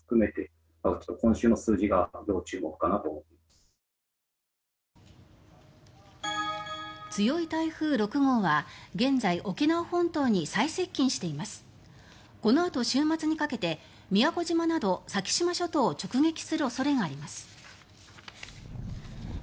このあと週末にかけて宮古島など先島諸島を直撃する恐れがあります。